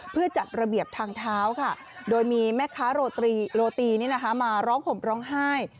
เพื่อจัดระเบียบทางเท้าค่ะโดยมีแม่ค้าโรตรีโรตีมาร้องห่มร้องไห้